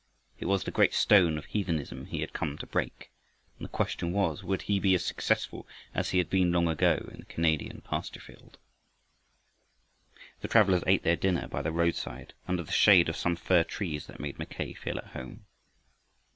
It was the great stone of heathenism he had come to break, and the question was, would he be as successful as he had been long ago in the Canadian pasture field? The travelers ate their dinner by the roadside under the shade of some fir trees that made Mackay feel at home.